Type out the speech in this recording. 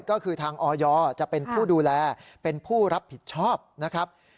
ก็คือทางออยจะเป็นผู้ดูแลเป็นผู้รับผิดชอบนะครับ